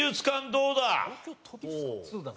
どうだ？